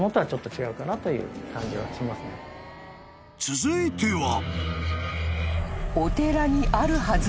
［続いては］